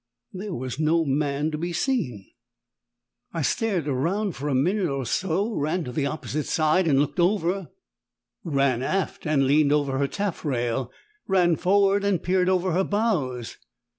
There was no man to be seen. I stared around for a minute or so; ran to the opposite side and looked over; ran aft and leaned over her taffrail; ran forward and peered over her bows.